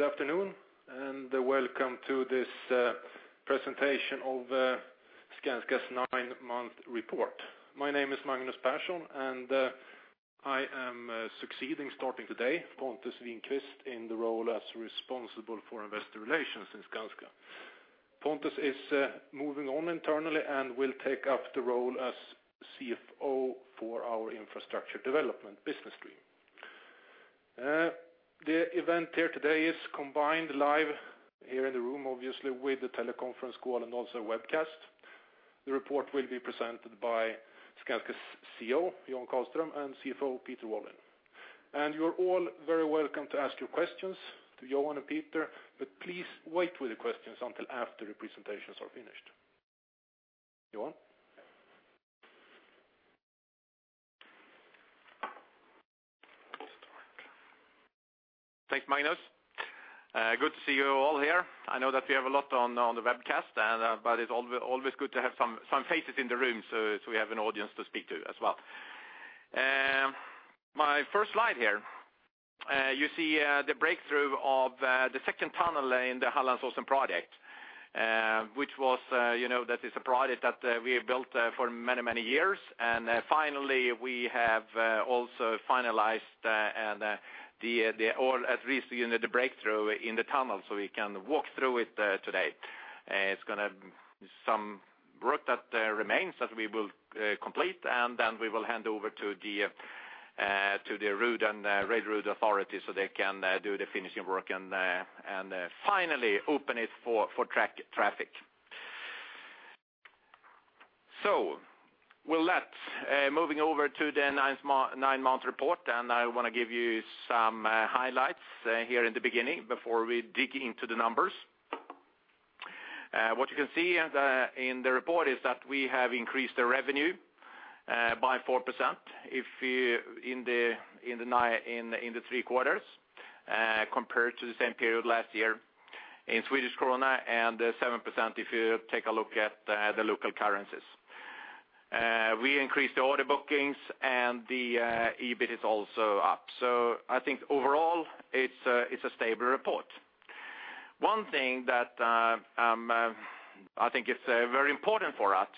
Okay, good afternoon, and welcome to this presentation of Skanska's nine-month report. My name is Magnus Persson, and I am succeeding, starting today, Pontus Winqvist, in the role as responsible for investor relations in Skanska. Pontus is moving on internally, and will take up the role as CFO for our infrastructure development business stream. The event here today is combined live, here in the room, obviously, with the teleconference call and also webcast. The report will be presented by Skanska's CEO, Johan Karlström, and CFO, Peter Wallin. And you're all very welcome to ask your questions to Johan and Peter, but please wait with the questions until after the presentations are finished. Johan? Thanks, Magnus. Good to see you all here. I know that we have a lot on the webcast, and, but it's always good to have some faces in the room, so we have an audience to speak to as well. My first slide here, you see the breakthrough of the second tunnel in the Hallandsås project, which was, you know, that is a project that we have built for many, many years. And, finally, we have also finalized and, or at least, the breakthrough in the tunnel, so we can walk through it today. It's gonna some work that remains, that we will complete, and then we will hand over to the road and railroad authorities, so they can do the finishing work, and finally open it for track traffic. So with that, moving over to the nine-month report, and I want to give you some highlights here in the beginning, before we dig into the numbers. What you can see in the report is that we have increased the revenue by 4% if you... in the three quarters compared to the same period last year in Swedish krona, and 7% if you take a look at the local currencies. We increased the order bookings, and the EBIT is also up. So I think overall, it's a stable report. One thing that I think is very important for us,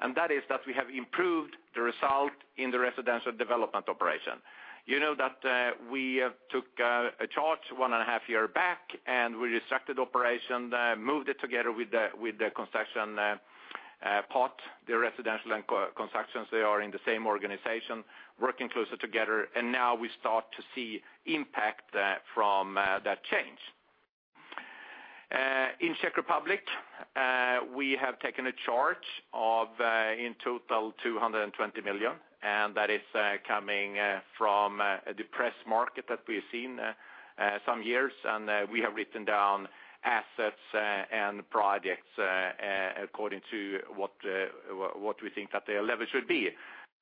and that is that we have improved the result in the residential development operation. You know that we took a charge 1.5 years back, and we restructured operation, moved it together with the construction part, the residential and commercial constructions. They are in the same organization, working closer together, and now we start to see impact from that change. In Czech Republic, we have taken a charge of, in total, 220 million, and that is coming from a depressed market that we've seen some years, and we have written down assets and projects according to what we think that their level should be.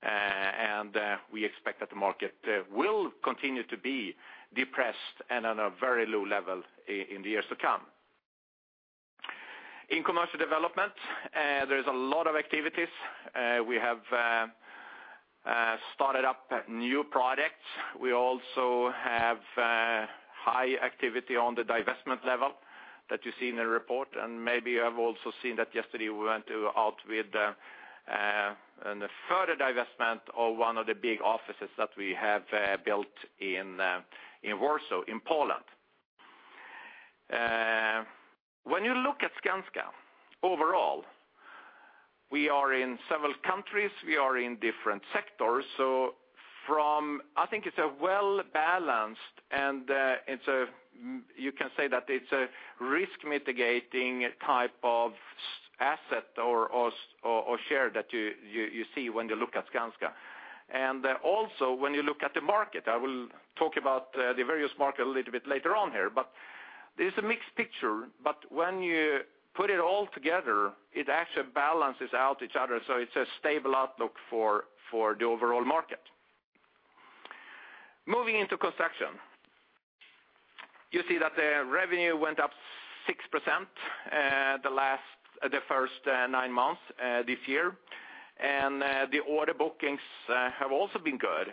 And we expect that the market will continue to be depressed and at a very low level in the years to come. In commercial development, there's a lot of activities. We have started up new projects. We also have high activity on the divestment level that you see in the report, and maybe you have also seen that yesterday we went out with an further divestment of one of the big offices that we have built in in Warsaw, in Poland. When you look at Skanska overall, we are in several countries, we are in different sectors, so I think it's a well-balanced, and it's a, you can say that it's a risk-mitigating type of asset or share that you see when you look at Skanska. Also, when you look at the market, I will talk about the various market a little bit later on here, but it's a mixed picture, but when you put it all together, it actually balances out each other, so it's a stable outlook for the overall market. Moving into construction, you see that the revenue went up 6% the first nine months this year. And the order bookings have also been good,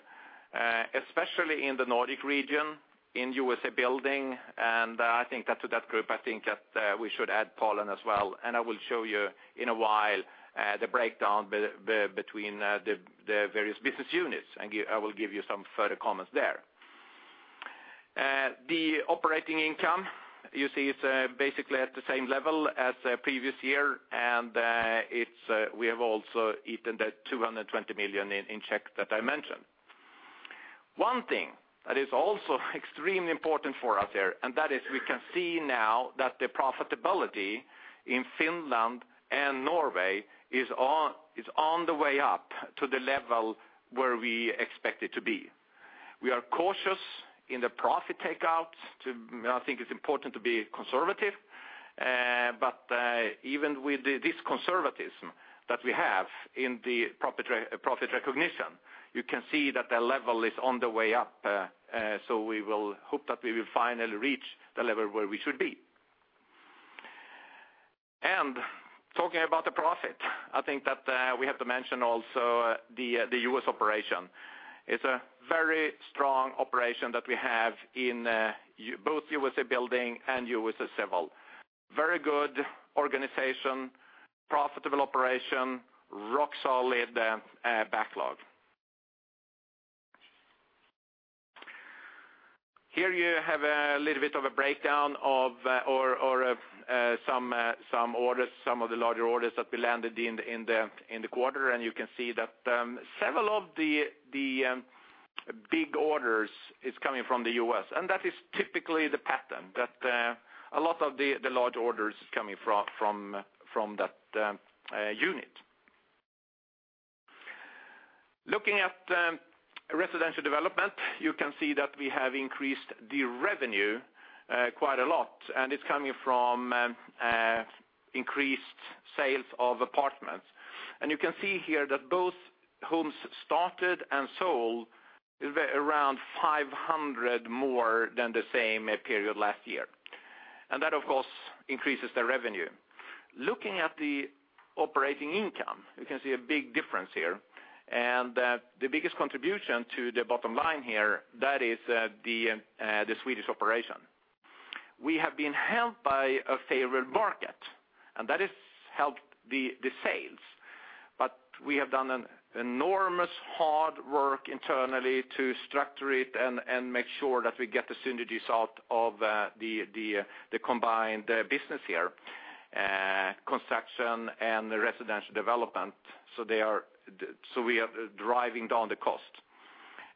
especially in the Nordic region, in USA Building, and I think that to that group, I think that we should add Poland as well. And I will show you in a while the breakdown between the various business units, and I will give you some further comments there. The operating income, you see, it's basically at the same level as previous year, and it's we have also eaten the 220 million in Czech that I mentioned. One thing that is also extremely important for us there, and that is we can see now that the profitability in Finland and Norway is on the way up to the level where we expect it to be. We are cautious in the profit takeouts to—I think it's important to be conservative, but even with the this conservatism that we have in the profit recognition, you can see that the level is on the way up, so we will hope that we will finally reach the level where we should be. Talking about the profit, I think that we have to mention also the U.S. operation. It's a very strong operation that we have in both USA Building and USA Civil. Very good organization, profitable operation, rock solid backlog. Here you have a little bit of a breakdown of some orders, some of the larger orders that we landed in the quarter, and you can see that several of the big orders is coming from the U.S. And that is typically the pattern, that a lot of the large orders is coming from that unit. Looking at residential development, you can see that we have increased the revenue quite a lot, and it's coming from increased sales of apartments. You can see here that both homes started and sold is around 500 more than the same period last year. And that, of course, increases the revenue. Looking at the operating income, you can see a big difference here, and the biggest contribution to the bottom line here, that is the Swedish operation. We have been helped by a favored market, and that has helped the sales, but we have done an enormous hard work internally to structure it and make sure that we get the synergies out of the combined business here, construction and the residential development. So we are driving down the cost,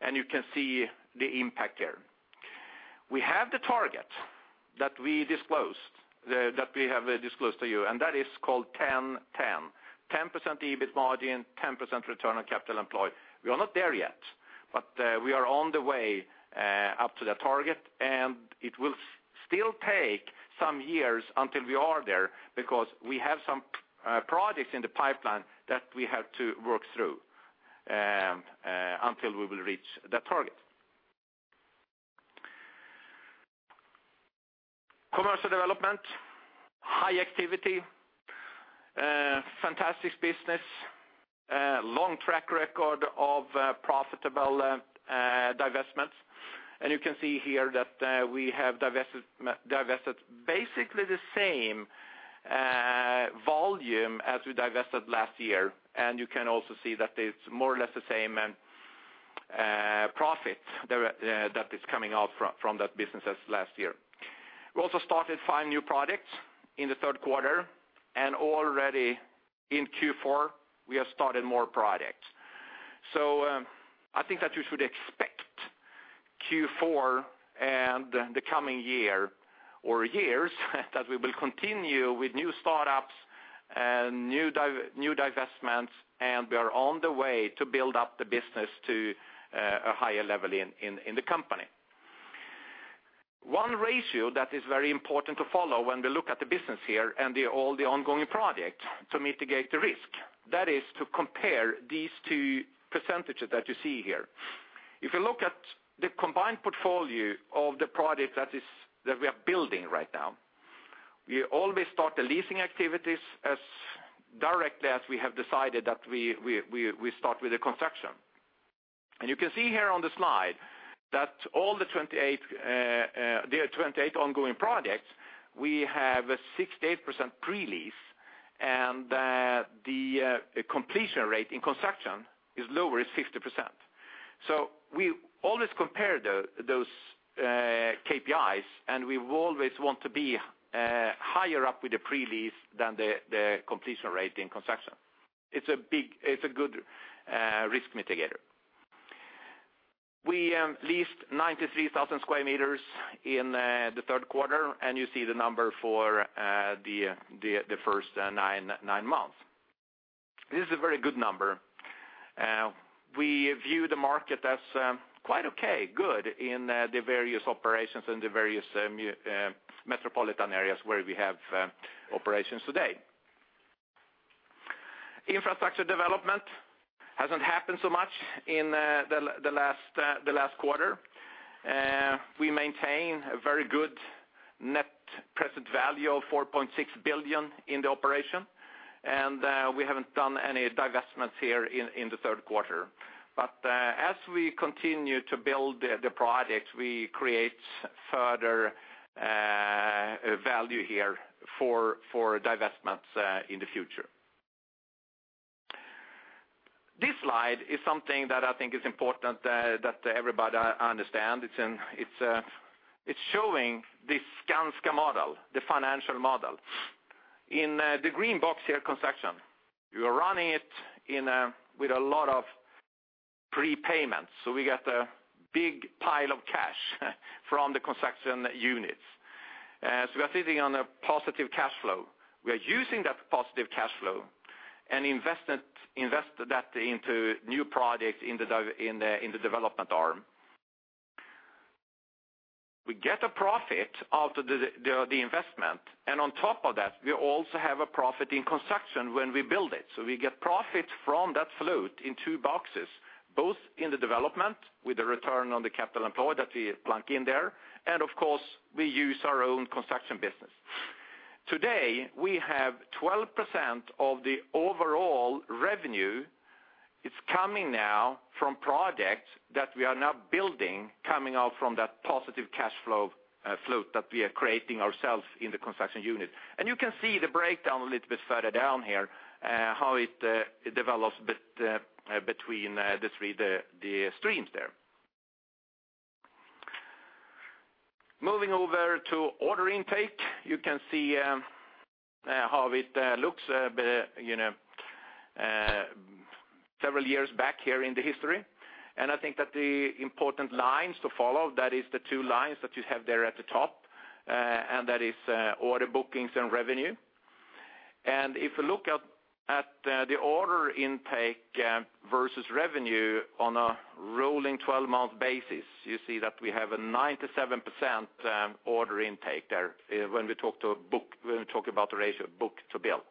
and you can see the impact here. We have the target that we disclosed, that we have disclosed to you, and that is called 10-10. 10% EBIT margin, 10% return on capital employed. We are not there yet, but we are on the way up to that target, and it will still take some years until we are there, because we have some projects in the pipeline that we have to work through, until we will reach the target. Commercial development, high activity, fantastic business, long track record of profitable divestments. And you can see here that we have divested basically the same volume as we divested last year. And you can also see that it's more or less the same profit that is coming out from that business as last year. We also started five new products in the third quarter, and already in Q4, we have started more products. So, I think that you should expect Q4 and the coming year, or years, that we will continue with new startups and new divestments, and we are on the way to build up the business to a higher level in the company. One ratio that is very important to follow when we look at the business here, and all the ongoing projects to mitigate the risk, that is to compare these two percentages that you see here. If you look at the combined portfolio of the product that we are building right now, we always start the leasing activities as directly as we have decided that we start with the construction. And you can see here on the slide, that all the 28 ongoing projects, we have a 68% pre-lease, and the completion rate in construction is lower, it's 60%. So we always compare those KPIs, and we will always want to be higher up with the pre-lease than the completion rate in construction. It's a good risk mitigator. We leased 93,000 sq m in the third quarter, and you see the number for the first nine months. This is a very good number. We view the market as quite okay, good, in the various operations, in the various metropolitan areas where we have operations today. Infrastructure development hasn't happened so much in the last quarter. We maintain a very good net present value of 4.6 billion in the operation, and we haven't done any divestments here in the third quarter. But as we continue to build the products, we create further value here for divestments in the future. This slide is something that I think is important that everybody understand. It's showing the Skanska model, the financial model. In the green box here, construction, we are running it with a lot of prepayments, so we get a big pile of cash from the construction units. So we are sitting on a positive cash flow. We are using that positive cash flow and invest that into new projects in the development arm. We get a profit out of the investment, and on top of that, we also have a profit in construction when we build it. So we get profit from that flow in two boxes, both in the development, with the return on capital employed that we plunk in there, and of course, we use our own construction business. Today, we have 12% of the overall revenue; it's coming now from projects that we are now building, coming out from that positive cash flow, flow that we are creating ourselves in the construction unit. And you can see the breakdown a little bit further down here, how it develops between the three streams there. Moving over to order intake, you can see how it looks, you know, several years back here in the history. And I think that the important lines to follow, that is the two lines that you have there at the top, and that is order bookings and revenue. And if you look at the order intake versus revenue on a rolling 12-month basis, you see that we have a 97% order intake there when we talk about the ratio Book-to-Bill.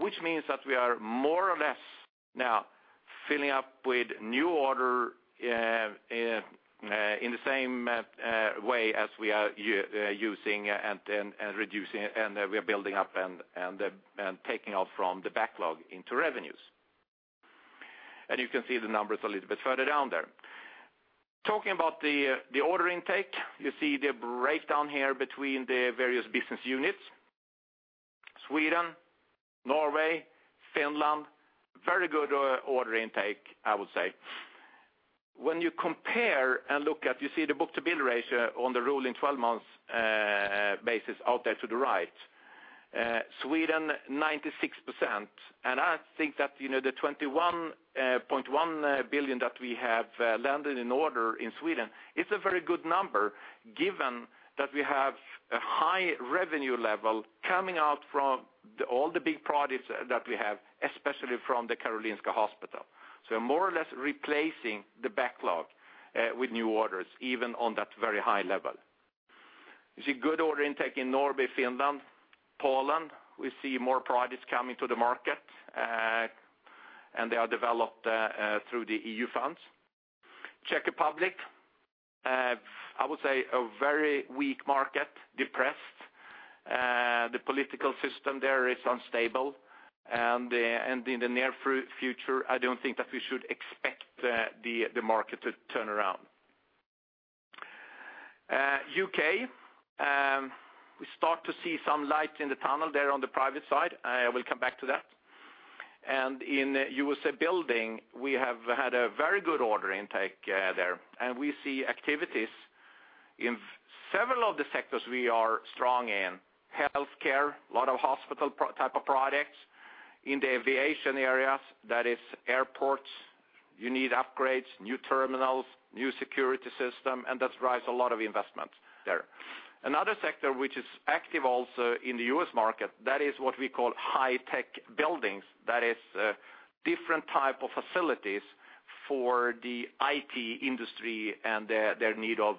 Which means that we are more or less now filling up with new order in the same way as we are using and reducing, and we are building up and taking off from the backlog into revenues. You can see the numbers a little bit further down there. Talking about the, the order intake, you see the breakdown here between the various business units, Sweden, Norway, Finland, very good, order intake, I would say. When you compare and look at, you see the Book-to-Bill ratio on the rolling 12 months basis out there to the right, Sweden, 96%. And I think that, you know, the 21.1 billion that we have, landed in order in Sweden, it's a very good number, given that we have a high revenue level coming out from the, all the big projects that we have, especially from the Karolinska Hospital. So more or less replacing the backlog, with new orders, even on that very high level. You see good order intake in Norway, Finland, Poland. We see more projects coming to the market, and they are developed through the EU funds. Czech Republic, I would say a very weak market, depressed. The political system there is unstable, and in the near future, I don't think that we should expect the market to turn around. U.K., we start to see some light in the tunnel there on the private side. I will come back to that. And in USA Building, we have had a very good order intake there, and we see activities in several of the sectors we are strong in. Healthcare, a lot of hospital-type projects. In the aviation areas, that is airports, you need upgrades, new terminals, new security system, and that drives a lot of investment there. Another sector which is active also in the US market, that is what we call high-tech buildings. That is different type of facilities for the IT industry and their need of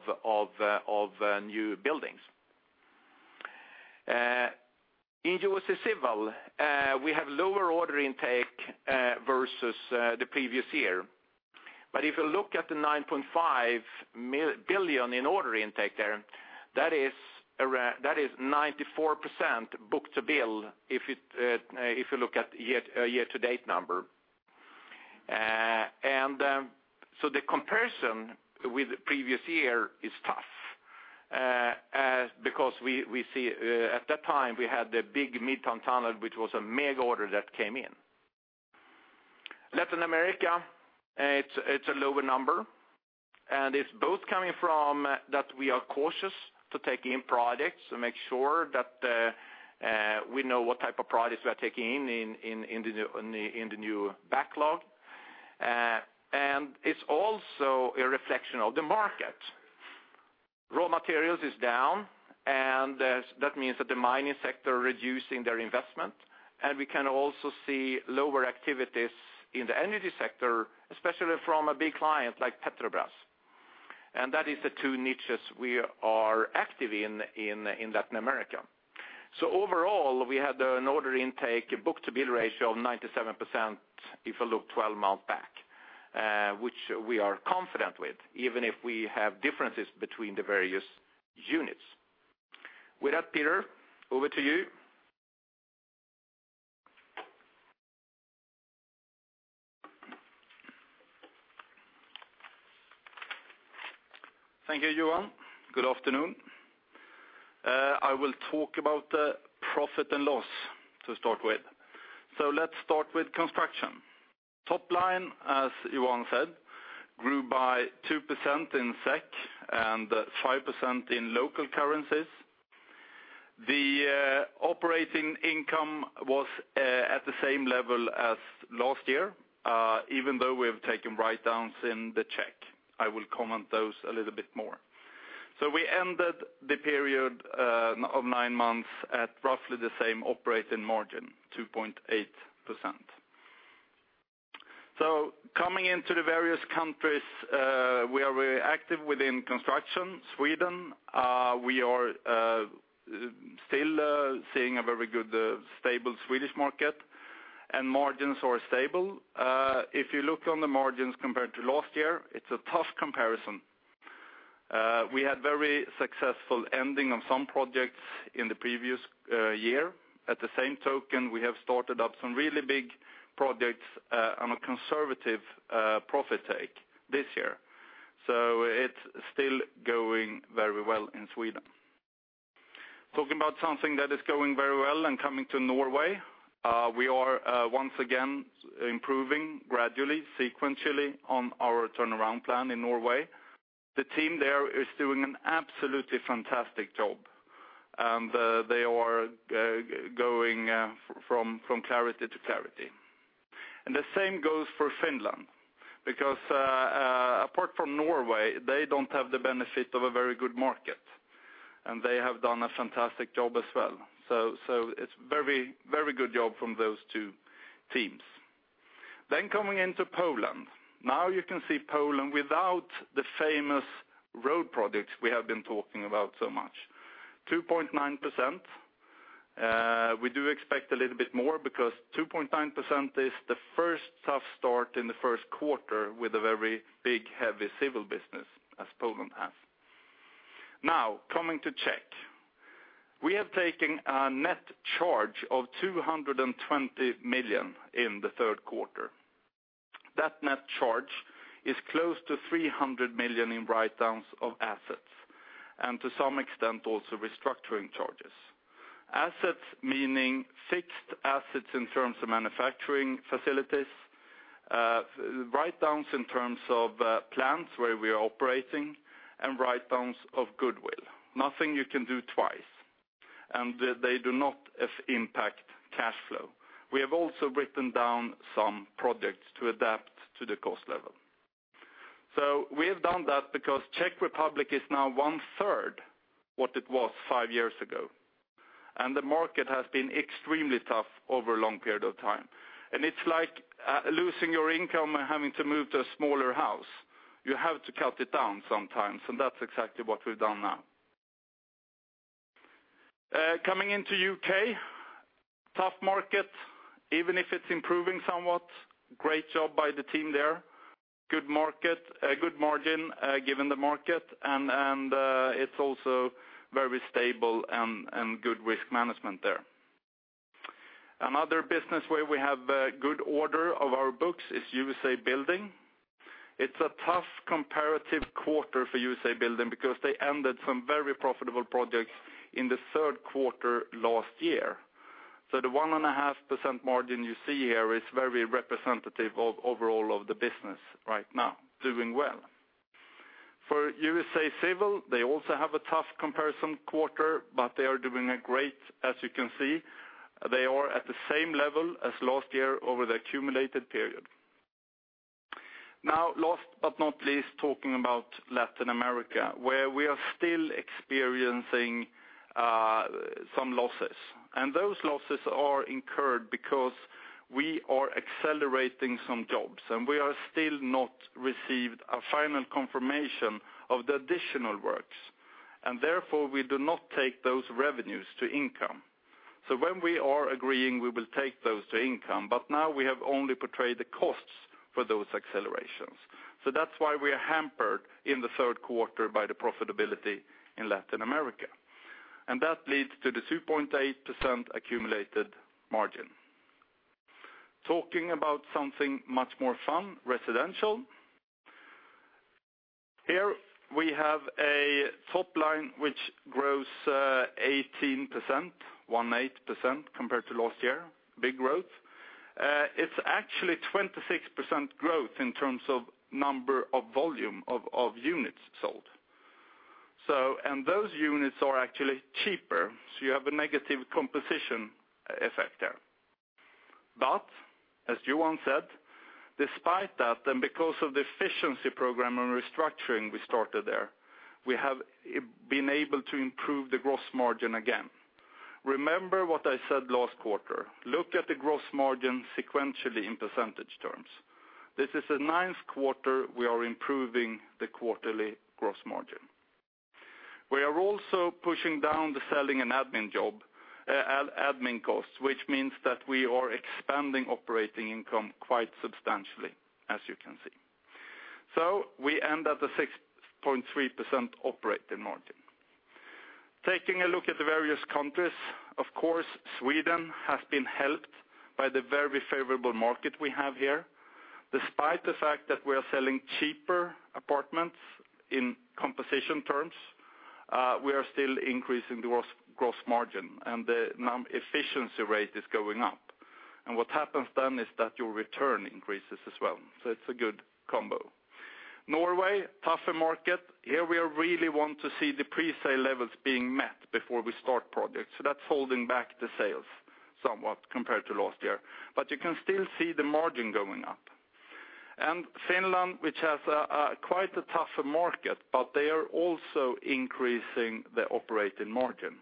new buildings. In USA Civil, we have lower order intake versus the previous year. But if you look at the $9.5 billion in order intake there, that is around, that is 94% Book-to-Bill, if you look at year to date number. And so the comparison with the previous year is tough, as because we see at that time, we had the big Midtown Tunnel, which was a mega order that came in. Latin America, it's a lower number, and it's both coming from that we are cautious to take in projects, to make sure that we know what type of projects we are taking in, in the new backlog. And it's also a reflection of the market. Raw materials is down, and that means that the mining sector reducing their investment, and we can also see lower activities in the energy sector, especially from a big client like Petrobras. And that is the two niches we are active in, in Latin America. So overall, we had an order intake, a Book-to-Bill ratio of 97%, if you look 12 months back, which we are confident with, even if we have differences between the various units. With that, Peter, over to you. Thank you, Johan. Good afternoon. I will talk about the profit and loss, to start with. So let's start with construction. Top line, as Johan said, grew by 2% in SEK and 5% in local currencies. The operating income was at the same level as last year, even though we have taken write downs in the Czech. I will comment those a little bit more. So we ended the period of nine months at roughly the same operating margin, 2.8%. So coming into the various countries, we are very active within construction. Sweden, we are still seeing a very good stable Swedish market, and margins are stable. If you look on the margins compared to last year, it's a tough comparison... We had very successful ending on some projects in the previous year. At the same token, we have started up some really big projects on a conservative profit take this year. So it's still going very well in Sweden. Talking about something that is going very well and coming to Norway, we are once again improving gradually, sequentially on our turnaround plan in Norway. The team there is doing an absolutely fantastic job, and they are going from clarity to clarity. And the same goes for Finland, because apart from Norway, they don't have the benefit of a very good market, and they have done a fantastic job as well. So it's very, very good job from those two teams. Then coming into Poland. Now you can see Poland without the famous road projects we have been talking about so much. 2.9%, we do expect a little bit more because 2.9% is the first tough start in the first quarter with a very big, heavy civil business, as Poland has. Now, coming to Czech. We have taken a net charge of 220 million in the third quarter. That net charge is close to 300 million in write-downs of assets, and to some extent, also restructuring charges. Assets, meaning fixed assets in terms of manufacturing facilities, write-downs in terms of, plants where we are operating, and write-downs of goodwill. Nothing you can do twice, and they, they do not impact cash flow. We have also written down some projects to adapt to the cost level. So we have done that because Czech Republic is now one-third what it was five years ago, and the market has been extremely tough over a long period of time. And it's like, losing your income and having to move to a smaller house. You have to cut it down sometimes, and that's exactly what we've done now. Coming into U.K., tough market, even if it's improving somewhat. Great job by the team there. Good market, good margin, given the market, and it's also very stable and good risk management there. Another business where we have a good order of our books is USA Building. It's a tough comparative quarter for USA Building because they ended some very profitable projects in the third quarter last year. So the 1.5% margin you see here is very representative of overall of the business right now, doing well. For USA Civil, they also have a tough comparison quarter, but they are doing great, as you can see. They are at the same level as last year over the accumulated period. Now, last but not least, talking about Latin America, where we are still experiencing some losses. And those losses are incurred because we are accelerating some jobs, and we are still not received a final confirmation of the additional works, and therefore, we do not take those revenues to income. So when we are agreeing, we will take those to income, but now we have only portrayed the costs for those accelerations. So that's why we are hampered in the third quarter by the profitability in Latin America, and that leads to the 2.8% accumulated margin. Talking about something much more fun, residential. Here, we have a top line which grows 18%, 18%, compared to last year. Big growth. It's actually 26% growth in terms of number of volume of units sold. So and those units are actually cheaper, so you have a negative composition effect there. But, as Johan said, despite that, then because of the efficiency program and restructuring we started there, we have been able to improve the gross margin again. Remember what I said last quarter, look at the gross margin sequentially in percentage terms. This is the ninth quarter we are improving the quarterly gross margin. We are also pushing down the selling and admin costs, which means that we are expanding operating income quite substantially, as you can see. So we end at the 6.3% operating margin. Taking a look at the various countries, of course, Sweden has been helped by the very favorable market we have here. Despite the fact that we are selling cheaper apartments in composition terms, we are still increasing the gross margin, and the efficiency rate is going up. And what happens then is that your return increases as well. So it's a good combo. Norway, tougher market. Here, we really want to see the presale levels being met before we start projects. So that's holding back the sales somewhat compared to last year. But you can still see the margin going up. And Finland, which has quite a tougher market, but they are also increasing the operating margin.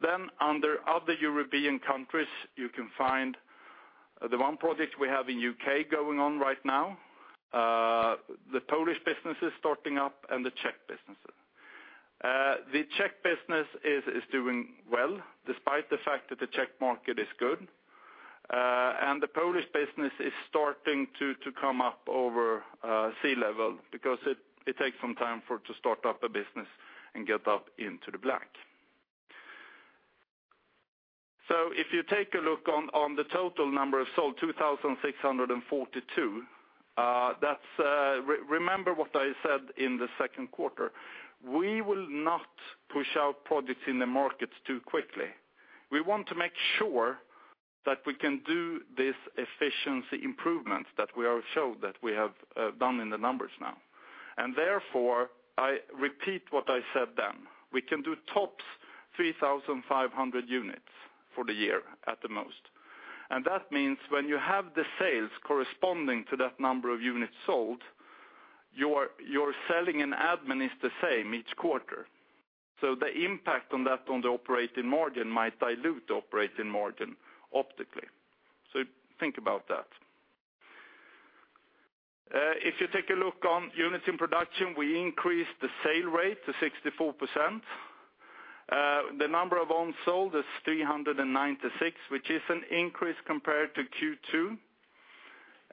Then under other European countries, you can find the one project we have in the U.K. going on right now, the Polish business is starting up, and the Czech business. The Czech business is doing well, despite the fact that the Czech market is good. And the Polish business is starting to come up over sea level, because it takes some time for it to start up a business and get up into the black. So if you take a look on the total number of sold, 2,642, that's, remember what I said in the second quarter. We will not push out projects in the markets too quickly. We want to make sure that we can do this efficiency improvements that we have showed, that we have, done in the numbers now. And therefore, I repeat what I said then. We can do tops 3,500 units for the year at the most. And that means when you have the sales corresponding to that number of units sold, your, your selling and admin is the same each quarter. So the impact on that, on the operating margin, might dilute the operating margin optically. So think about that. If you take a look on units in production, we increased the sale rate to 64%. The number of unsold is 396, which is an increase compared to Q2.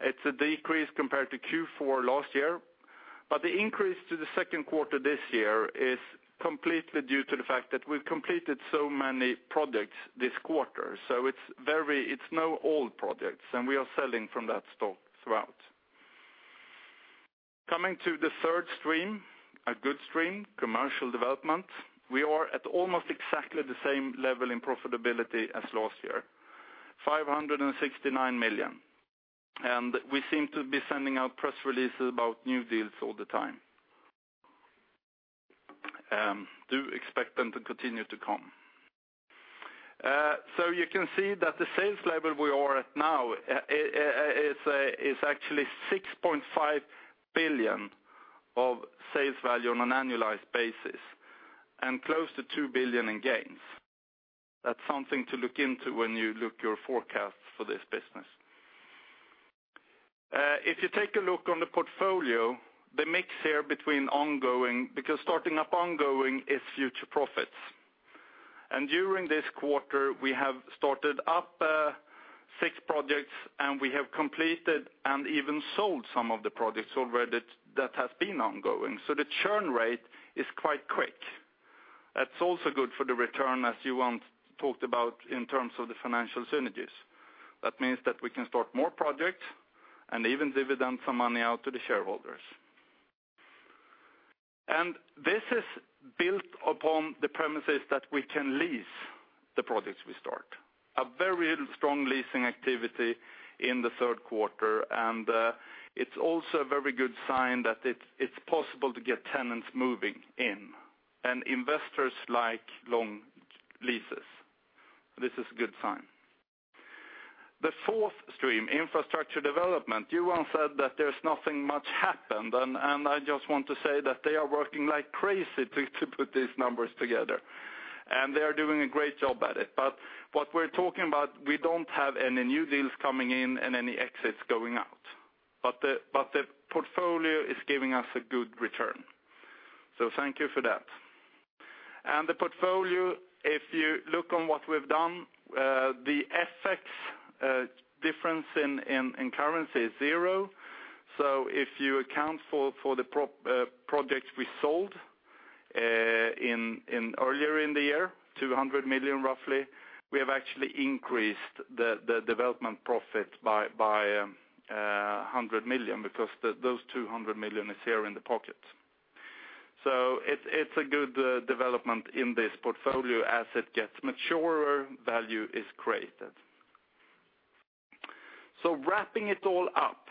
It's a decrease compared to Q4 last year. But the increase to the second quarter this year is completely due to the fact that we've completed so many projects this quarter. So it's now old projects, and we are selling from that stock throughout. Coming to the third stream, a good stream, commercial development. We are at almost exactly the same level in profitability as last year, 569 million. And we seem to be sending out press releases about new deals all the time. Do expect them to continue to come. So you can see that the sales level we are at now is actually 6.5 billion of sales value on an annualized basis, and close to 2 billion in gains. That's something to look into when you look your forecast for this business. If you take a look on the portfolio, the mix here between ongoing, because starting up ongoing is future profits. And during this quarter, we have started up six projects, and we have completed and even sold some of the projects already that, that has been ongoing. So the churn rate is quite quick. That's also good for the return, as Johan talked about in terms of the financial synergies. That means that we can start more projects and even dividend some money out to the shareholders. And this is built upon the premises that we can lease the projects we start. A very strong leasing activity in the third quarter, and it's also a very good sign that it's, it's possible to get tenants moving in, and investors like long leases. This is a good sign. The fourth stream, infrastructure development, Johan said that there's nothing much happened, and I just want to say that they are working like crazy to put these numbers together, and they are doing a great job at it. But what we're talking about, we don't have any new deals coming in and any exits going out. But the portfolio is giving us a good return. So thank you for that. And the portfolio, if you look on what we've done, the FX difference in currency is zero. So if you account for the projects we sold earlier in the year, 200 million, roughly, we have actually increased the development profit by a 100 million, because those 200 million is here in the pocket. So it's a good development in this portfolio. As it gets maturer, value is created. So wrapping it all up,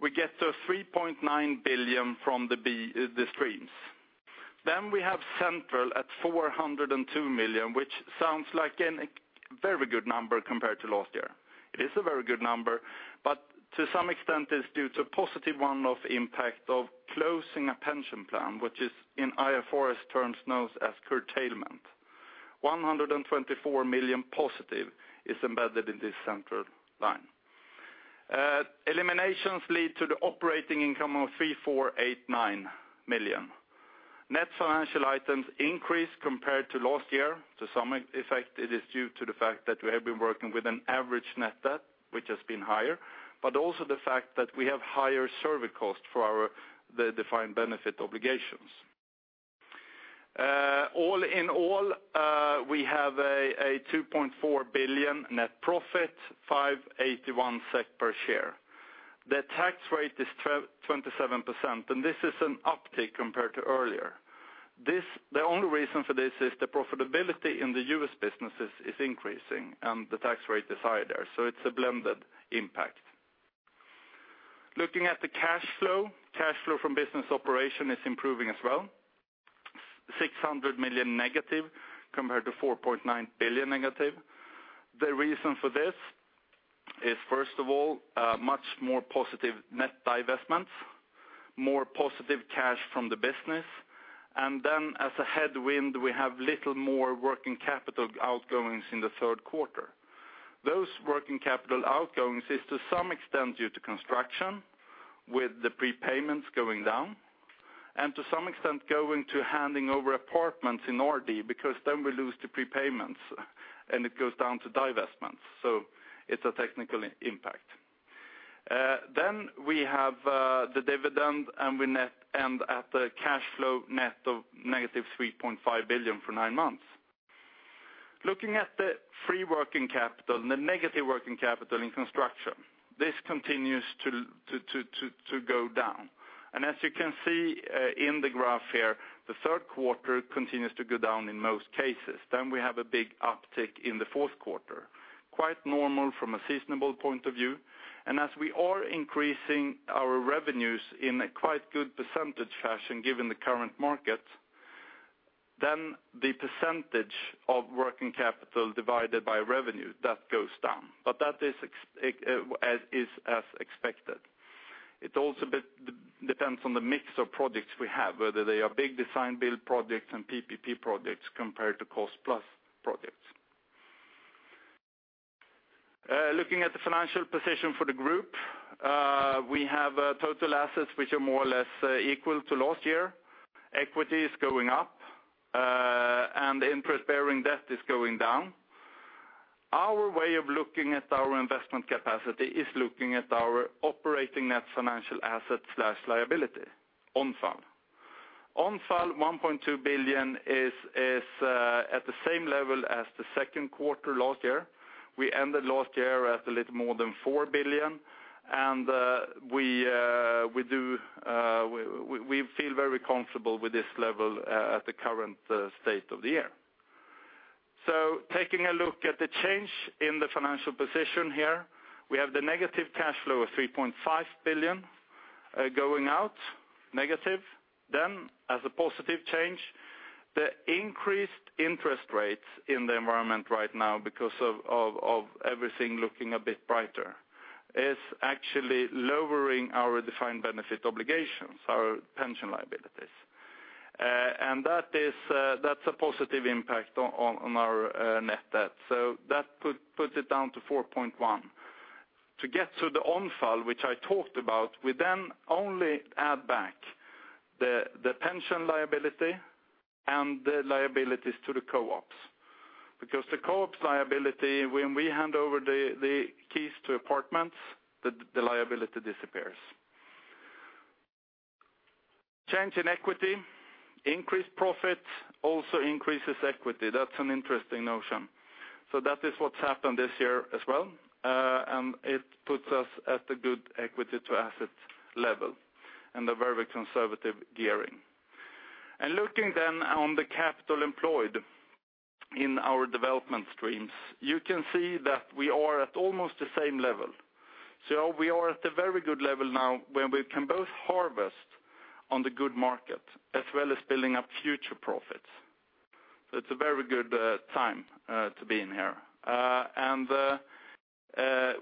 we get to 3.9 billion from the B- the streams. Then we have central at 402 million, which sounds like a very good number compared to last year. It is a very good number, but to some extent, it's due to positive one-off impact of closing a pension plan, which is in IFRS terms known as curtailment. 124 million positive is embedded in this central line. Eliminations lead to the operating income of 3,489 million. Net financial items increase compared to last year. To some effect, it is due to the fact that we have been working with an average net debt, which has been higher, but also the fact that we have higher service costs for our the defined benefit obligations. All in all, we have a 2.4 billion net profit, 581 SEK per share. The tax rate is 27%, and this is an uptick compared to earlier. This the only reason for this is the profitability in the US businesses is increasing, and the tax rate is higher there, so it's a blended impact. Looking at the cash flow, cash flow from business operation is improving as well. 600 million negative, compared to 4.9 billion negative. The reason for this is, first of all, much more positive net divestments, more positive cash from the business, and then as a headwind, we have a little more working capital outgoings in the third quarter. Those working capital outgoings is to some extent due to construction, with the prepayments going down, and to some extent going to handing over apartments in RD, because then we lose the prepayments, and it goes down to divestments. So it's a technical impact. Then we have the dividend, and we net end at the cash flow net of -3.5 billion for nine months. Looking at the free working capital, the negative working capital in construction, this continues to go down. And as you can see, in the graph here, the third quarter continues to go down in most cases. Then we have a big uptick in the fourth quarter. Quite normal from a seasonal point of view, and as we are increasing our revenues in a quite good percentage fashion, given the current market, then the percentage of working capital divided by revenue, that goes down. But that is as is, as expected. It also depends on the mix of projects we have, whether they are big design build projects and PPP projects compared to cost-plus projects. Looking at the financial position for the group, we have total assets which are more or less equal to last year. Equity is going up, and interest-bearing debt is going down. Our way of looking at our investment capacity is looking at our operating net financial assets/liability, ONFAL. ONFAL 1.2 billion is at the same level as the second quarter last year. We ended last year at a little more than 4 billion, and we do feel very comfortable with this level at the current state of the year. So taking a look at the change in the financial position here, we have the negative cash flow of 3.5 billion going out, negative. Then, as a positive change, the increased interest rates in the environment right now, because of everything looking a bit brighter, is actually lowering our defined benefit obligations, our pension liabilities. And that is a positive impact on our net debt. So that puts it down to 4.1. To get to the ONFAL, which I talked about, we then only add back the pension liability and the liabilities to the co-ops. Because the co-ops liability, when we hand over the keys to apartments, the liability disappears. Change in equity. Increased profit also increases equity. That's an interesting notion. So that is what's happened this year as well, and it puts us at a good equity-to-assets level and a very conservative gearing. And looking then on the capital employed in our development streams, you can see that we are at almost the same level. So we are at a very good level now, where we can both harvest on the good market as well as building up future profits. It's a very good time to be in here.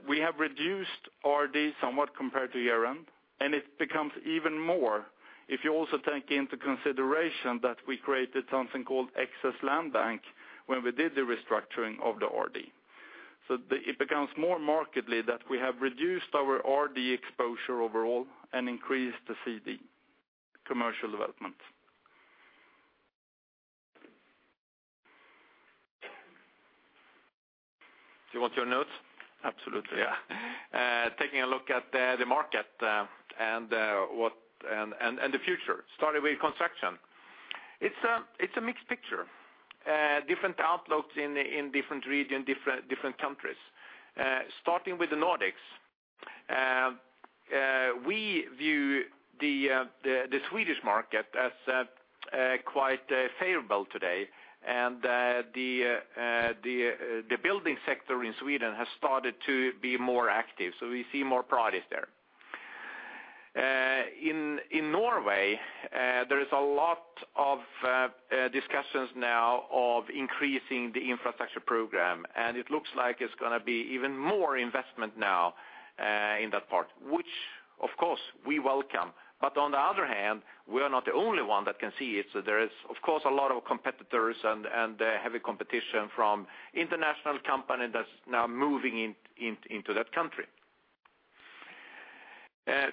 we have reduced RD somewhat compared to year-end, and it becomes even more if you also take into consideration that we created something called excess land bank when we did the restructuring of the RD. So it becomes more markedly that we have reduced our RD exposure overall and increased the CD, commercial development. Do you want your notes? Absolutely. Yeah. Taking a look at the market and the future. Starting with construction. It's a mixed picture. Different outlooks in different region, different countries. Starting with the Nordics, we view the Swedish market as quite favorable today, and the building sector in Sweden has started to be more active, so we see more progress there. In Norway, there is a lot of discussions now of increasing the infrastructure program, and it looks like it's gonna be even more investment now in that part, which, of course, we welcome. But on the other hand, we are not the only one that can see it, so there is, of course, a lot of competitors and heavy competition from international company that's now moving into that country.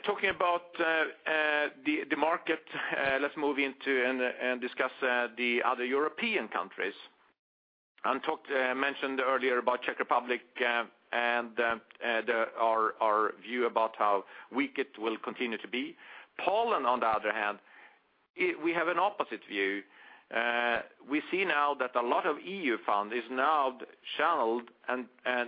Talking about the market, let's move into and discuss the other European countries. And talked, mentioned earlier about Czech Republic, and our view about how weak it will continue to be. Poland, on the other hand, we have an opposite view. We see now that a lot of EU fund is now channeled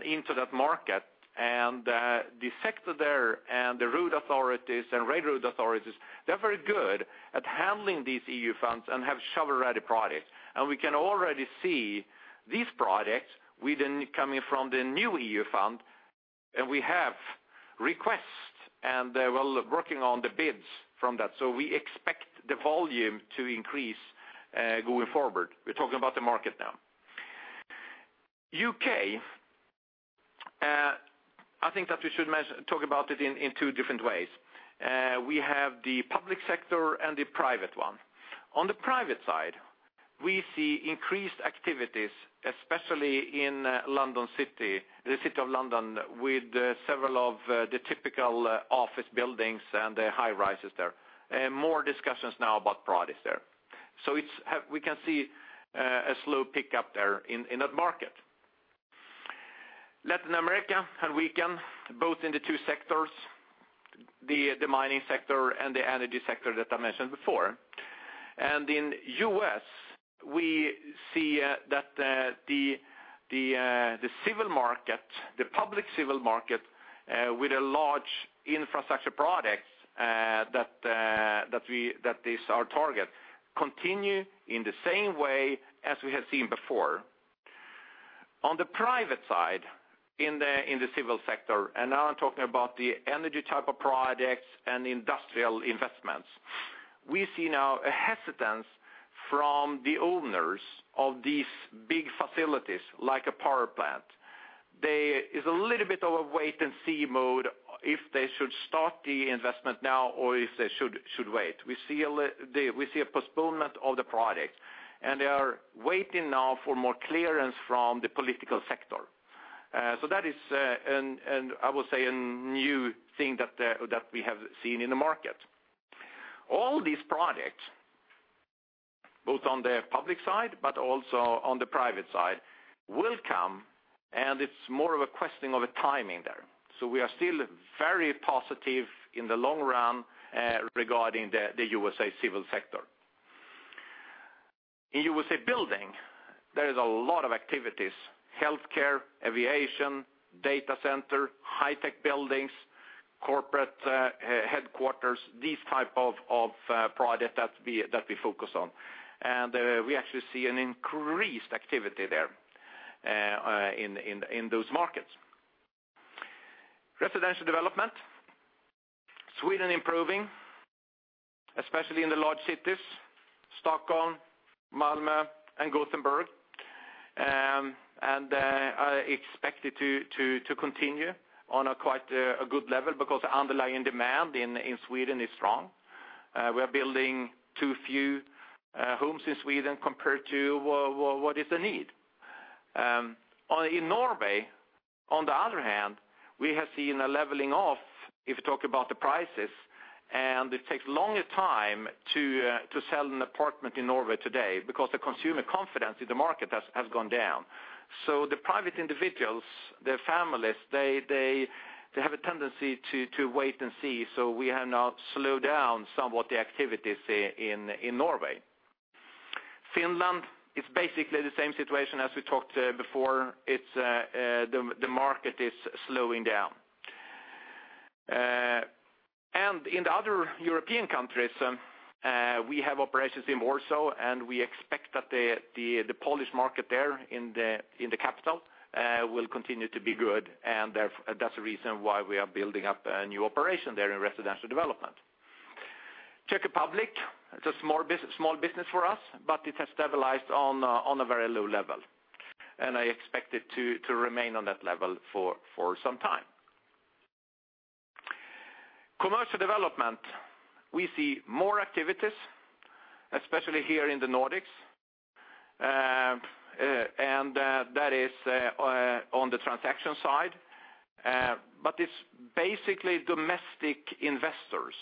into that market, and the sector there, and the road authorities and railroad authorities, they're very good at handling these EU funds and have shovel-ready projects. We can already see these projects coming from the new EU fund, and we have requests, and they're, well, working on the bids from that. We expect the volume to increase going forward. We're talking about the market now. U.K. I think that we should mention, talk about it in two different ways. We have the public sector and the private one. On the private side, we see increased activities, especially in London City, the City of London, with several of the typical office buildings and the high-rises there, and more discussions now about products there. So we can see a slow pick-up there in that market. Latin America had weakened, both in the two sectors, the mining sector and the energy sector that I mentioned before. In the U.S., we see that the civil market, the public civil market with large infrastructure projects that is our target continue in the same way as we have seen before. On the private side, in the civil sector, and now I'm talking about the energy type of projects and industrial investments, we see now a hesitance from the owners of these big facilities, like a power plant. There is a little bit of a wait-and-see mode, if they should start the investment now, or if they should wait. We see a postponement of the project, and they are waiting now for more clearance from the political sector. So that is, and I will say, a new thing that we have seen in the market. All these projects, both on the public side, but also on the private side, will come, and it's more of a questioning of a timing there. So we are still very positive in the long run regarding the USA Civil sector. In USA Building, there is a lot of activities, healthcare, aviation, data center, high-tech buildings, corporate headquarters, these type of projects that we focus on. And we actually see an increased activity there in those markets. Residential development, Sweden improving, especially in the large cities, Stockholm, Malmö, and Gothenburg. And it's expected to continue on a quite a good level because the underlying demand in Sweden is strong. We are building too few homes in Sweden compared to what is the need. In Norway, on the other hand, we have seen a leveling off, if you talk about the prices, and it takes longer time to sell an apartment in Norway today, because the consumer confidence in the market has gone down. So the private individuals, the families, they have a tendency to wait and see, so we have now slowed down somewhat the activities in Norway. Finland is basically the same situation as we talked before. It's the market is slowing down. And in the other European countries, we have operations in Warsaw, and we expect that the Polish market there in the capital will continue to be good, and therefore, that's the reason why we are building up a new operation there in residential development. Czech Republic, it's a small business for us, but it has stabilized on a very low level, and I expect it to remain on that level for some time. Commercial development, we see more activities, especially here in the Nordics, and that is on the transaction side, but it's basically domestic investors.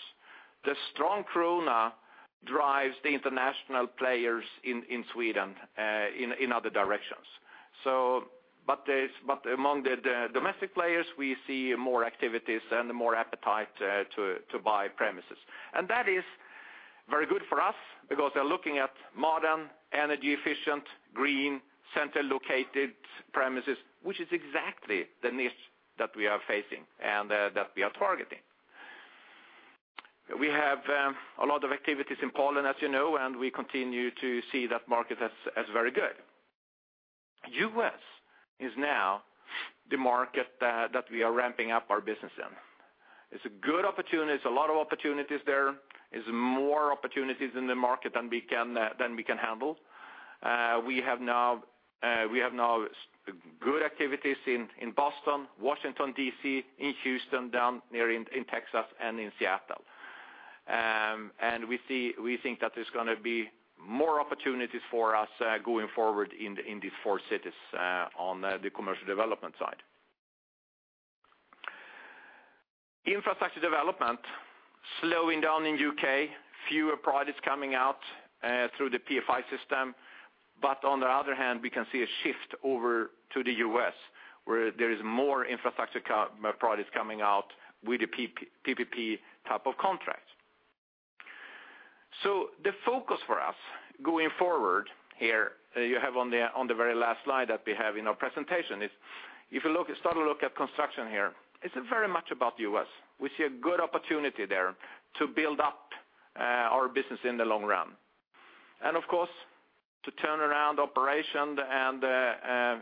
The strong krona drives the international players in Sweden in other directions. So, but among the domestic players, we see more activities and more appetite to buy premises. And that is very good for us, because they're looking at modern, energy efficient, green, center-located premises, which is exactly the niche that we are facing, and that we are targeting. We have a lot of activities in Poland, as you know, and we continue to see that market as very good. U.S. is now the market that we are ramping up our business in. It's a good opportunity, there's a lot of opportunities there. There's more opportunities in the market than we can handle. We have now good activities in Boston, Washington, D.C., in Houston, down there in Texas, and in Seattle. And we see, we think that there's gonna be more opportunities for us going forward in these four cities on the commercial development side. Infrastructure development slowing down in U.K., fewer products coming out through the PFI system. But on the other hand, we can see a shift over to the U.S., where there is more infrastructure products coming out with the PPP type of contracts. So the focus for us going forward here, you have on the very last slide that we have in our presentation, is if you look, start to look at construction here, it's very much about U.S. We see a good opportunity there to build up our business in the long run. And of course, to turn around operation and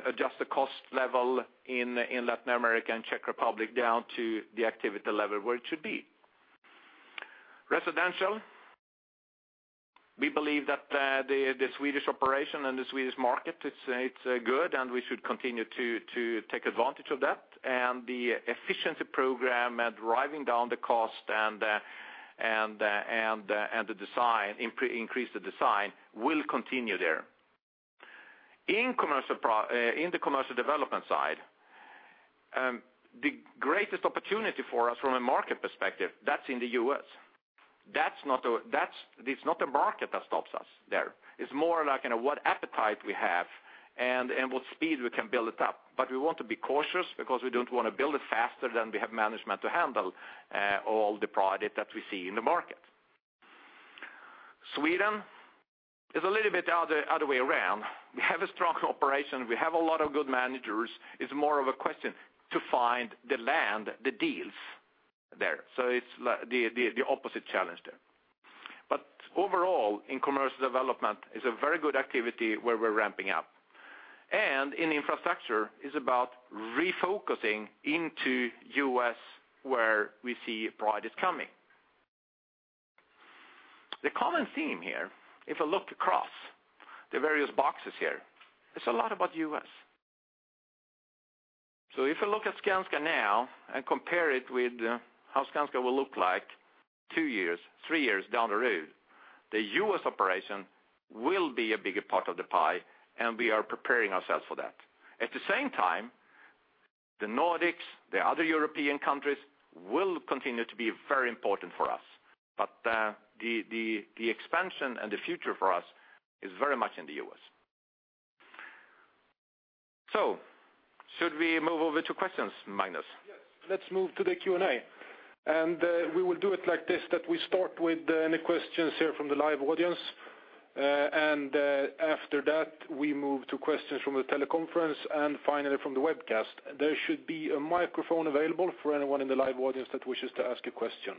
adjust the cost level in Latin America and Czech Republic down to the activity level, where it should be. We believe that the Swedish operation and the Swedish market, it's good, and we should continue to take advantage of that. And the efficiency program and driving down the cost and the design, increase the design will continue there. In commercial property, in the commercial development side, the greatest opportunity for us from a market perspective, that's in the U.S. That's not the—it's not the market that stops us there. It's more like, you know, what appetite we have and what speed we can build it up. But we want to be cautious because we don't want to build it faster than we have management to handle all the product that we see in the market. Sweden is a little bit the other way around. We have a strong operation. We have a lot of good managers. It's more of a question to find the land, the deals there. So it's like the opposite challenge there. But overall, in commercial development, it's a very good activity where we're ramping up. And in infrastructure, it's about refocusing into U.S., where we see product is coming. The common theme here, if I look across the various boxes here, it's a lot about U.S. So if you look at Skanska now and compare it with how Skanska will look like two years, three years down the road, the U.S. operation will be a bigger part of the pie, and we are preparing ourselves for that. At the same time, the Nordics, the other European countries, will continue to be very important for us. But, the expansion and the future for us is very much in the U.S. So should we move over to questions, Magnus? Yes. Let's move to the Q&A. And, we will do it like this, that we start with any questions here from the live audience. And, after that, we move to questions from the teleconference, and finally, from the webcast. There should be a microphone available for anyone in the live audience that wishes to ask a question.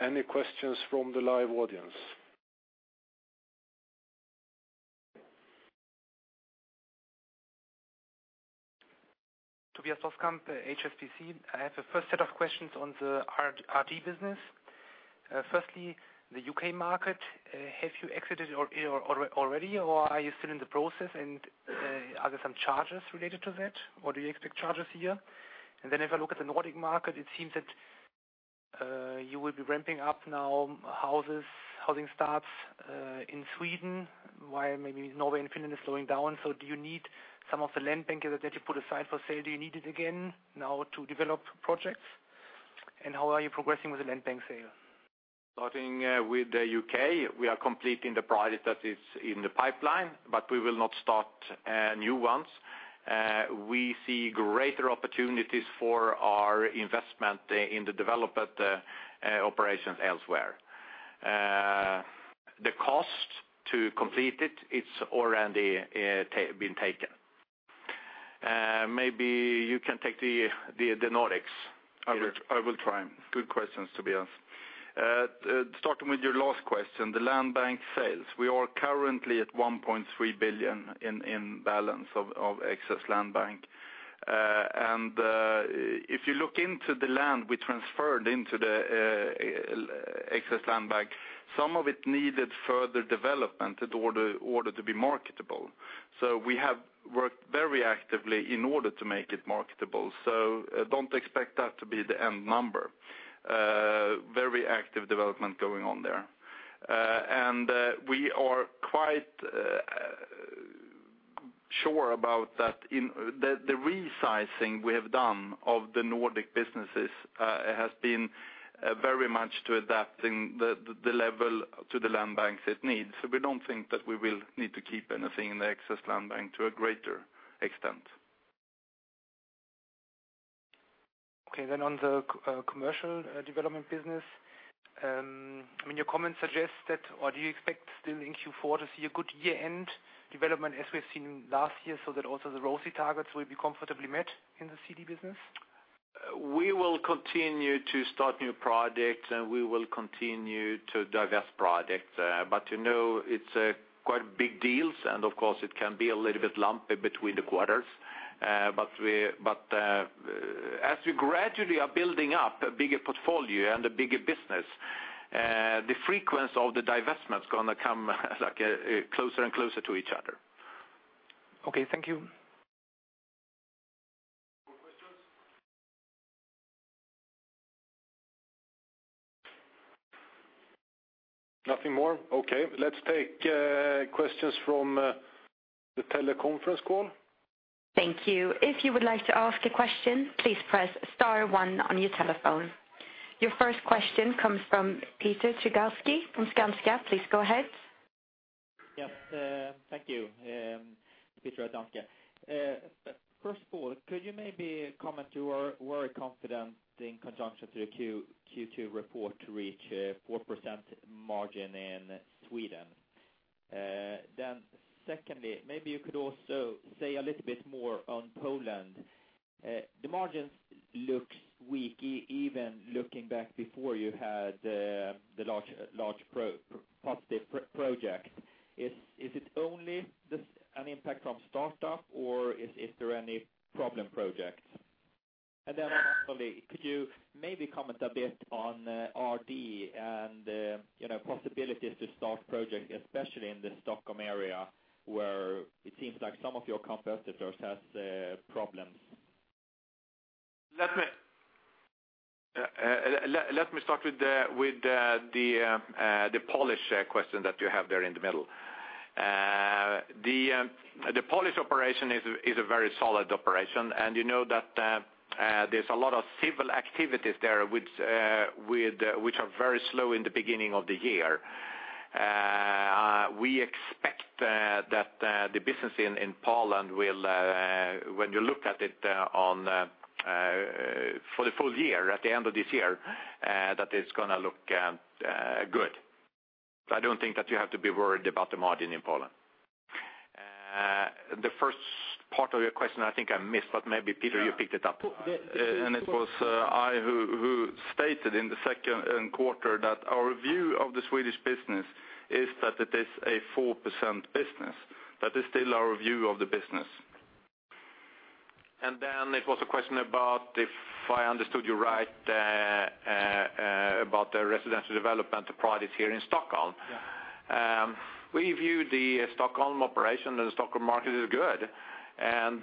Any questions from the live audience? Tobias Loskamp, HSBC. I have a first set of questions on the RD, RD business. Firstly, the U.K. market, have you exited or already, or are you still in the process, and are there some charges related to that? Or do you expect charges here? And then if I look at the Nordic market, it seems that you will be ramping up now houses, housing starts in Sweden, while maybe Norway and Finland is slowing down. So do you need some of the land bank that you put aside for sale? Do you need it again now to develop projects? And how are you progressing with the land bank sale? Starting with the U.K., we are completing the project that is in the pipeline, but we will not start new ones. We see greater opportunities for our investment in the development operations elsewhere. The cost to complete it, it's already been taken. Maybe you can take the Nordics. I will, I will try. Good questions, Tobias. Starting with your last question, the land bank sales. We are currently at 1.3 billion in balance of excess land bank. And if you look into the land we transferred into the excess land bank, some of it needed further development in order to be marketable. So we have worked very actively in order to make it marketable. So don't expect that to be the end number. Very active development going on there. And we are quite sure about that in the resizing we have done of the Nordic businesses has been very much to adapting the level to the land banks it needs. So we don't think that we will need to keep anything in the excess land bank to a greater extent. Okay, then on the commercial development business, I mean, your comment suggests that, or do you expect still in Q4 to see a good year-end development as we've seen last year, so that also the ROCE targets will be comfortably met in the CD business? We will continue to start new projects, and we will continue to divest projects. But, you know, it's quite big deals, and of course, it can be a little bit lumpy between the quarters. But as we gradually are building up a bigger portfolio and a bigger business, the frequency of the divestment is going to come, like, closer and closer to each other. Okay. Thank you. More questions? Nothing more? Okay, let's take questions from the teleconference call. Thank you. If you would like to ask a question, please press star one on your telephone. Your first question comes from Peter Chigalski from Skanska. Please go ahead. Yes, thank you. Peter Chigalski. First of all, could you maybe comment? You were very confident in conjunction to the Q2 report to reach a 4% margin in Sweden? Then secondly, maybe you could also say a little bit more on Poland. The margins looks weak, even looking back before you had the large positive project. Is it only just an impact from start up, or is there any problem projects? And then finally, could you maybe comment a bit on RD and you know, possibilities to start projects, especially in the Stockholm area, where it seems like some of your competitors has problems? Let me start with the Polish question that you have there in the middle. The Polish operation is a very solid operation, and you know that there's a lot of civil activities there which are very slow in the beginning of the year. We expect that the business in Poland will, when you look at it, for the full year, at the end of this year, that it's gonna look good. I don't think that you have to be worried about the margin in Poland. The first part of your question, I think I missed, but maybe Peter, you picked it up. It was I who stated in the second quarter that our view of the Swedish business is that it is a 4% business. That is still our view of the business. Then there was a question about, if I understood you right, about the residential development projects here in Stockholm. Yeah. We view the Stockholm operation and the Stockholm market is good. And,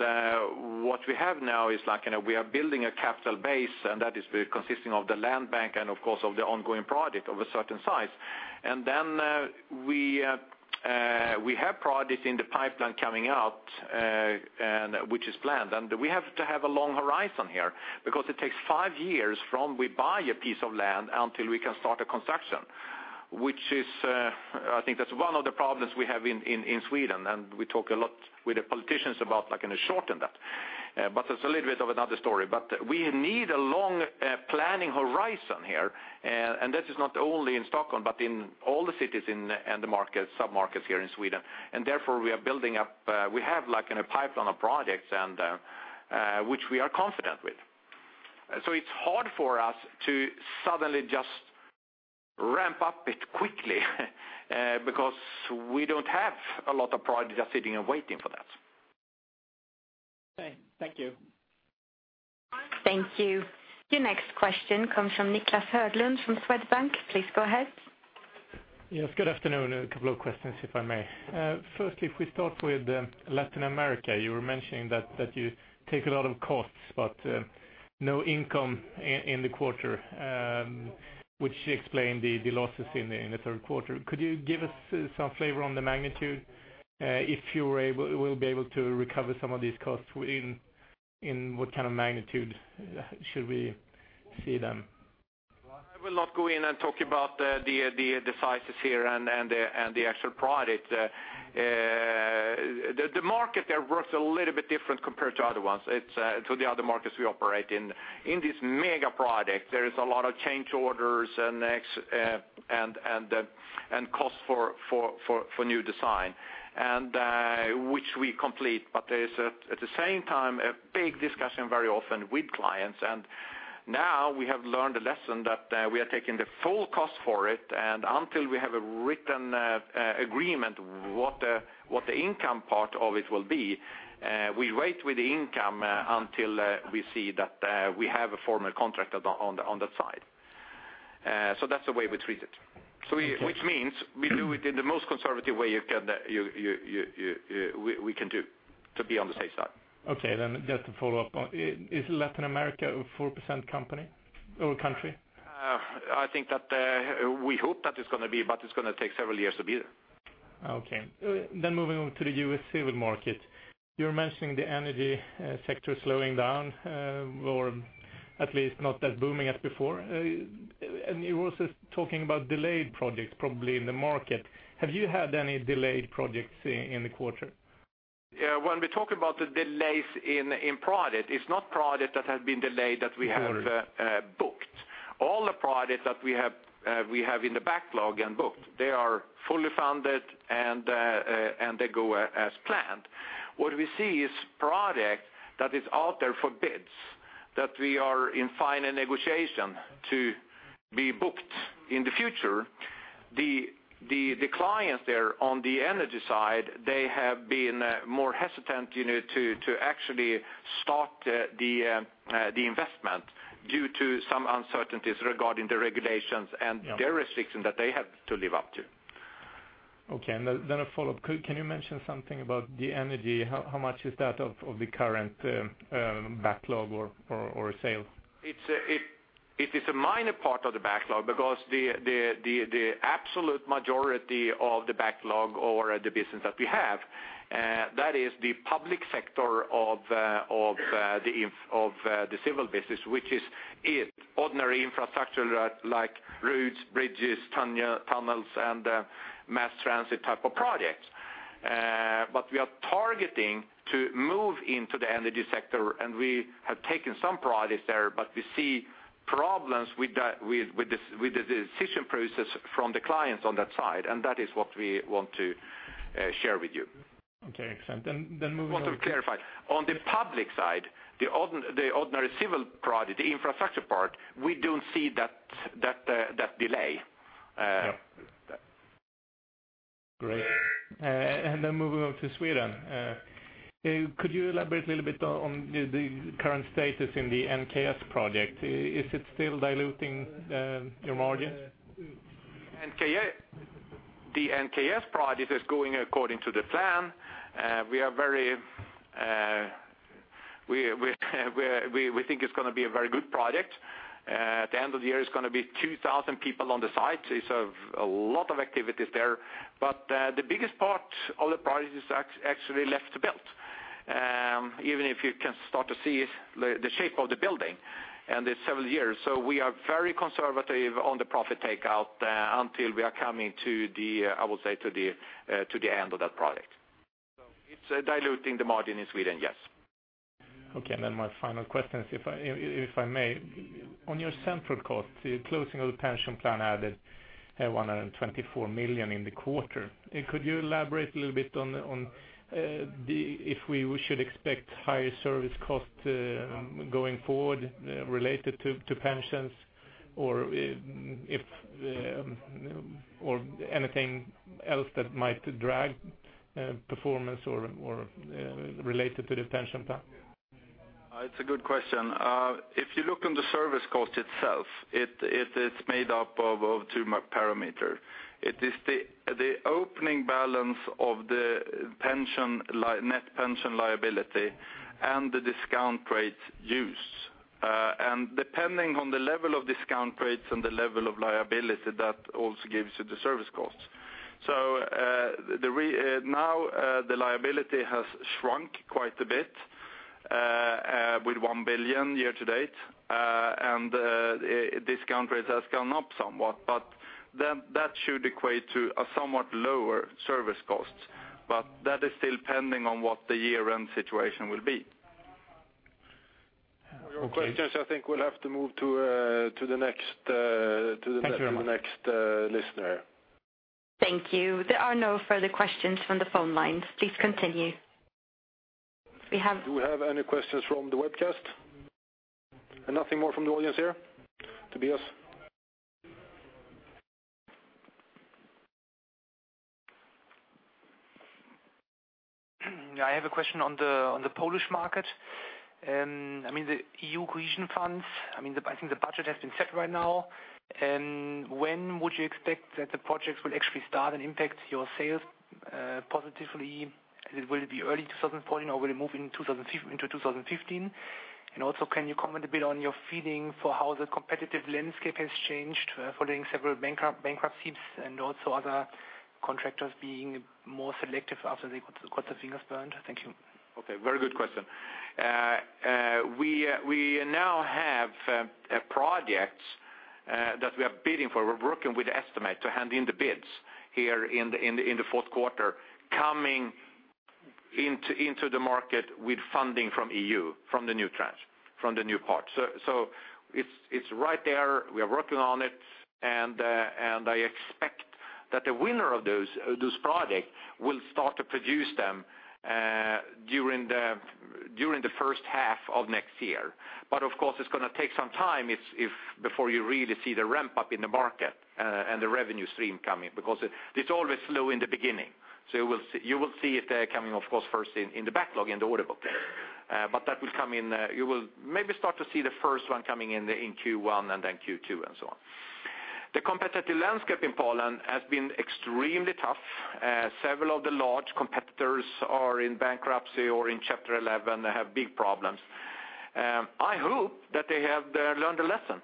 what we have now is, like, you know, we are building a capital base, and that is consisting of the land bank and, of course, of the ongoing project of a certain size. And then, we have projects in the pipeline coming out, and which is planned. And we have to have a long horizon here, because it takes five years from we buy a piece of land until we can start a construction, which is, I think that's one of the problems we have in Sweden, and we talk a lot with the politicians about, like, gonna shorten that. But that's a little bit of another story. But we need a long planning horizon here, and this is not only in Stockholm, but in all the cities and the markets, submarkets here in Sweden. Therefore, we are building up, we have like in a pipeline of projects and, which we are confident with. It's hard for us to suddenly just ramp up it quickly, because we don't have a lot of projects that are sitting and waiting for that. Okay. Thank you. Thank you. Your next question comes from Niclas Höglund from Swedbank. Please go ahead. Yes, good afternoon. A couple of questions, if I may. Firstly, if we start with Latin America, you were mentioning that you take a lot of costs, but no income in the quarter, which explain the losses in the third quarter. Could you give us some flavor on the magnitude, if you were able, will be able to recover some of these costs within, in what kind of magnitude should we see them? I will not go in and talk about the sizes here and the actual product. The market there works a little bit different compared to other ones, to the other markets we operate in. In this mega project, there is a lot of change orders and costs for new design, which we complete. But there's, at the same time, a big discussion very often with clients, and now we have learned a lesson that we are taking the full cost for it, and until we have a written agreement, what the income part of it will be, we wait with the income, until we see that we have a formal contract on that side. That's the way we treat it. Okay. So, which means we do it in the most conservative way we can do to be on the safe side. Okay, then just to follow up on, is Latin America a 4% company or country? I think that we hope that it's gonna be, but it's gonna take several years to be there. Okay. Then moving on to the U.S. civil market. You're mentioning the energy sector slowing down, or at least not as booming as before. And you're also talking about delayed projects, probably in the market. Have you had any delayed projects in the quarter? Yeah, when we talk about the delays in project, it's not project that has been delayed that we have- Right... booked. All the projects that we have, we have in the backlog and booked, they are fully funded and, and they go as planned. What we see is project that is out there for bids, that we are in final negotiation to be booked in the future. The clients there on the energy side, they have been more hesitant, you know, to actually start the investment due to some uncertainties regarding the regulations and- Yeah... the restrictions that they have to live up to. Okay, and then a follow-up. Can you mention something about the energy? How much is that of the current backlog or sale? It is a minor part of the backlog because the absolute majority of the backlog or the business that we have that is the public sector of the civil business, which is ordinary infrastructure like roads, bridges, tunnels, and mass transit type of projects. But we are targeting to move into the energy sector, and we have taken some projects there, but we see problems with the decision process from the clients on that side, and that is what we want to share with you. Okay, excellent. Then moving on- I want to clarify. On the public side, the ordinary civil project, the infrastructure part, we don't see that delay.... Great. And then moving on to Sweden, could you elaborate a little bit on the current status in the NKS project? Is it still diluting your margin? NKS, the NKS project is going according to the plan. We are very, we think it's gonna be a very good project. At the end of the year, it's gonna be 2,000 people on the site, so a lot of activities there. But the biggest part of the project is actually left to build. Even if you can start to see the shape of the building, and it's several years. So we are very conservative on the profit takeout until we are coming to the, I would say, to the end of that project. So it's diluting the margin in Sweden, yes. Okay, and then my final question is, if I may, on your central cost, the closing of the pension plan added 124 million in the quarter. Could you elaborate a little bit on the-- if we should expect higher service costs going forward related to pensions? Or if or anything else that might drag performance or related to the pension plan? It's a good question. If you look on the service cost itself, it's made up of two main parameters. It is the opening balance of the net pension liability and the discount rate used. Depending on the level of discount rates and the level of liability, that also gives you the service costs. So, now, the liability has shrunk quite a bit, with 1 billion year to date, and the discount rate has gone up somewhat, but then that should equate to a somewhat lower service cost. But that is still pending on what the year-end situation will be. Okay. No more questions. I think we'll have to move to the next, to the- Thank you very much. The next listener. Thank you. There are no further questions from the phone lines. Please continue. We have- Do we have any questions from the webcast? Nothing more from the audience here. Tobias? I have a question on the, on the Polish market. I mean, the EU Cohesion Funds, I mean, the, I think the budget has been set right now. When would you expect that the projects will actually start and impact your sales positively? Will it be early 2014, or will it move into 2015? And also, can you comment a bit on your feeling for how the competitive landscape has changed following several bankruptcies and also other contractors being more selective after they got their fingers burned? Thank you. Okay, very good question. We now have a project that we are bidding for. We're working with the estimate to hand in the bids here in the fourth quarter, coming into the market with funding from EU, from the new trans- from the new part. So it's right there. We are working on it, and I expect that the winner of those project will start to produce them during the first half of next year. But of course, it's gonna take some time, it's before you really see the ramp-up in the market and the revenue stream coming, because it's always slow in the beginning. So you will see it there coming, of course, first in the backlog, in the order book. But that will come in. You will maybe start to see the first one coming in Q1 and then Q2, and so on. The competitive landscape in Poland has been extremely tough. Several of the large competitors are in bankruptcy or in Chapter 11. They have big problems. I hope that they have learned a lesson,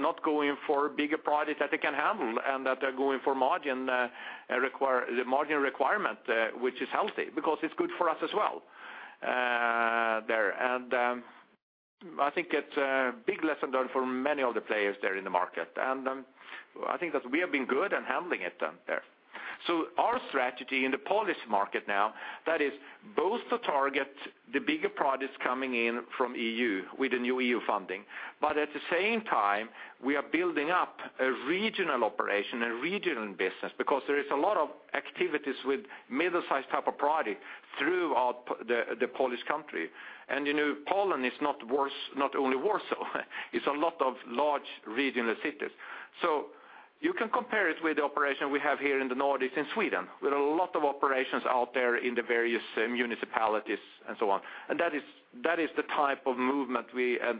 not going for bigger projects that they can handle, and that they're going for margin, the margin requirement, which is healthy, because it's good for us as well, there. I think it's a big lesson learned for many of the players there in the market. I think that we have been good in handling it, there. So our strategy in the Polish market now, that is both to target the bigger projects coming in from EU, with the new EU funding, but at the same time, we are building up a regional operation, a regional business, because there is a lot of activities with middle-sized type of project throughout the Polish country. And you know, Poland is not just, not only Warsaw, it's a lot of large regional cities. So you can compare it with the operation we have here in the northeast in Sweden, with a lot of operations out there in the various municipalities and so on. And that is the type of movement we are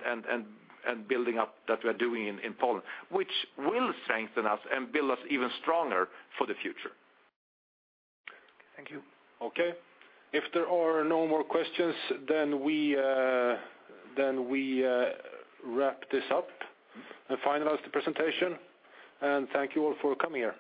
building up that we are doing in Poland, which will strengthen us and build us even stronger for the future. Thank you. Okay. If there are no more questions, then we wrap this up and finalize the presentation, and thank you all for coming here.